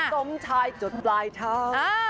สมชายจดปลายเท้า